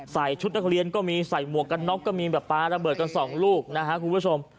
ชุดนักเรียนก็มีใส่หมวกกันน็อกก็มีแบบปลาระเบิดกันสองลูกนะครับคุณผู้ชม